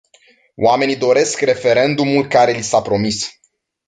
Oamenii doresc referendumul care li s-a promis.